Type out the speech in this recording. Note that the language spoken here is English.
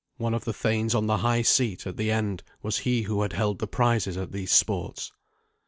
One of the thanes on the high seat, at the end, was he who had held the prizes at these sports.